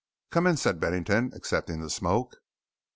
"Come in," said Bennington, accepting the smoke.